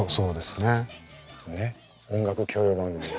ねっ音楽教養番組